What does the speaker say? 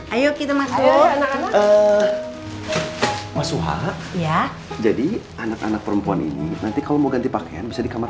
ayo kita makan suha ya jadi anak anak perempuan ini nanti kalau mau ganti pakaian bisa di kamar